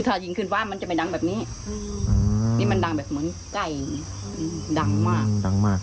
มันจะไม่ดังแบบนี้นี่มันดังเหมือนใกล้ดังมากดังมากเลย